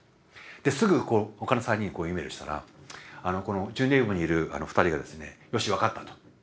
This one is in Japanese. ですぐ他の３人にｅメールしたらこのジュネーブにいる２人がですね「よし分かった」と。